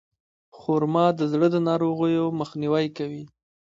خرما د زړه د ناروغیو مخنیوی کوي.